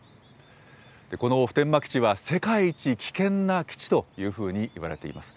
この普天間基地は、世界一危険な基地というふうにいわれています。